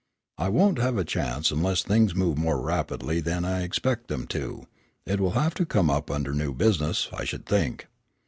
"I won't have a chance unless things move more rapidly than I expect them to. It will have to come up under new business, I should think."